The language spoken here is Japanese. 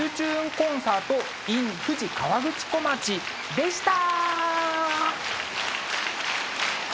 コンサートｉｎ富士河口湖町」でした！